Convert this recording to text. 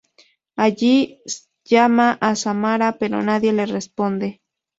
Allí, llama a Samara, pero nadie le responde.